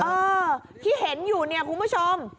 เออที่เห็นอยู่เนี่ยคุณผู้ชม